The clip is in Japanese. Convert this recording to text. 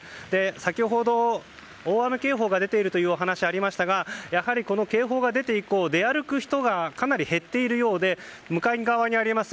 先ほど大雨警報が出ているというお話がありましたがやはり警報が出て以降出歩く人はかなり減っているようで向かい側にあります